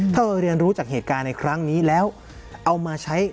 ถ้าเราเรียนรู้จากเหตุการณ์ในครั้งนี้แล้วเอามาใช้